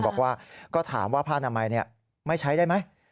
บอกว่าก็ถามว่าผ้านามัยไม่ใช้ได้ไหม